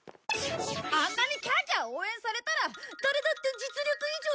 あんなにキャーキャー応援されたら誰だって実力以上に奮い立つよ！